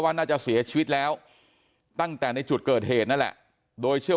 น่าจะเสียชีวิตแล้วตั้งแต่ในจุดเกิดเหตุนั่นแหละโดยเชื่อ